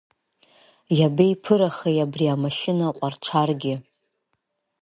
Иабеиԥырахеи абри амашьына ҟәарҽаргьы.